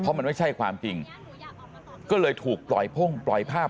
มันไม่ใช่ความจริงก็เลยถูกปล่อยพ่งปล่อยภาพ